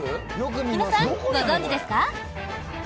皆さん、ご存じですか？